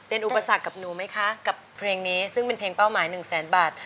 เป็นอุปสรรคกับหนูไหมคะกับเพลงนี้ซึ่งเป็นเพลงเป้าหมายหนึ่งแสนบาท